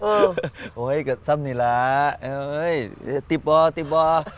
อเจมส์โอ้ยสำนีลาติบอ่อติบอ่อ